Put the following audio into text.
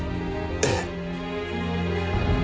ええ。